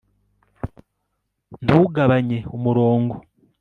ntugabanye umurongo